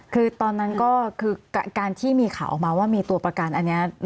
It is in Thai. คือตอนนั้นก็คือการที่มีข่าวออกมาว่ามีตัวประกันอันนี้